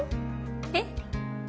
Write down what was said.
えっ？